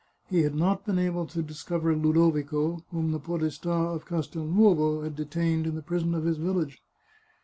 He had not been able to dis cover Ludovico, whom the podesta of Castelnovo had de tained in the prison of his village.